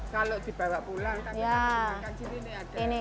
kalau dibawa pulang kita makan sini nih